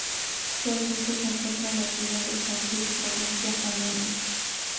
Su asiento se encuentra en la ciudad de San Luis, provincia homónima.